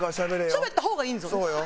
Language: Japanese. しゃべった方がいいんですよね？